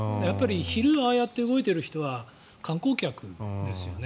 昼、ああやって動いている人は観光客ですよね。